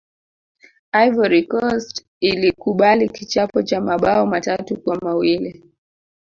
ivory coast ilikubali kichapo cha mabao matatu kwa mawili